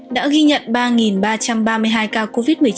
đã ghi nhận ba ba trăm ba mươi hai ca covid một mươi chín